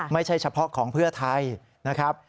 ไม่ใช่เฉพาะของเพื่อไทยนะครับ